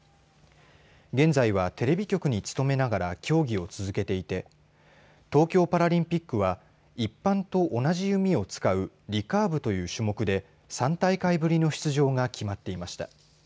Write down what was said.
現在はテレビ局に勤めながら競技を続けていて東京パラリンピックは一般と同じ弓を使うリカーブという種目で３大会ぶりの出場が決まっていました。